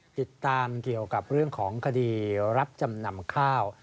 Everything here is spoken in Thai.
ติดตามเกี่ยวกับเรื่องของคดีรับจำนำข้าว